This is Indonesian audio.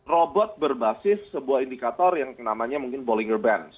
robot berbasis sebuah indikator yang namanya mungkin bollinger bands